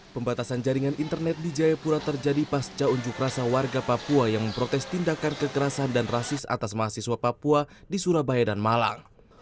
pembatasan jaringan internet di jayapura terjadi pasca unjuk rasa warga papua yang memprotes tindakan kekerasan dan rasis atas mahasiswa papua di surabaya dan malang